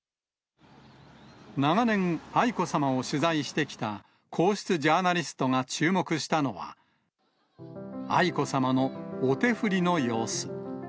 長年、愛子さまを取材してきた皇室ジャーナリストが注目したのは、愛子さまのお手振りの様子。